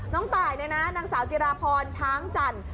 ตายเนี่ยนะนางสาวจิราพรช้างจันทร์